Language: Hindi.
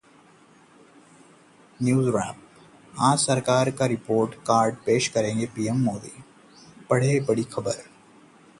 NewsWrap: आज सरकार का रिपोर्ट कार्ड पेश करेंगे पीएम मोदी, पढ़ें बड़ी खबरें